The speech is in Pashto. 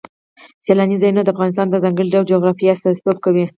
سیلانی ځایونه د افغانستان د ځانګړي ډول جغرافیه استازیتوب کوي.